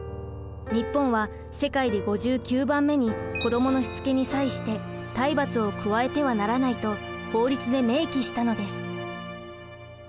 日本は世界で５９番目に「子どものしつけに際して体罰を加えてはならない」と法律で明記したのです。